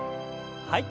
はい。